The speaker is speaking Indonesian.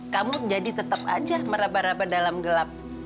kamu jadi tetap aja meraba raba dalam gelap